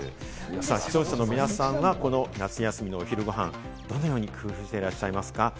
視聴者の皆さんは夏休みの昼ごはん、どのように工夫してらっしゃいますか？